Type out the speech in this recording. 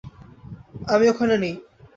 আমি ওখানে নেই।